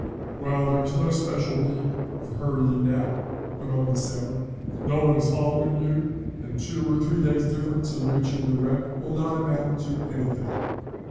"Well, there is no special need of hurrying now," went on the sailor. "No one is following you, and two or three days difference in reaching the wreck will not amount to anything."